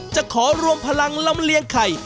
จะขอรวมพลังลำเลียงไข่